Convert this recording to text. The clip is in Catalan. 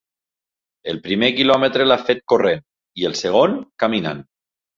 El primer quilòmetre l'ha fet corrent, i el segon, caminant.